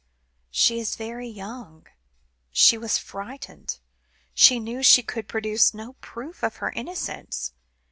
"She is very young; she was very frightened. She knew she could produce no proof of her innocence.